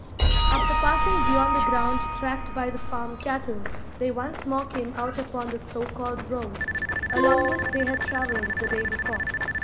After passing beyond the ground tracked by the farm cattle, they once more came out upon the so called road, along which they had travelled the day before.